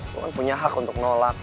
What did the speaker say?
lo kan punya hak untuk nolak